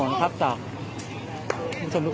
มันก็ไม่ต่างจากที่นี่นะครับ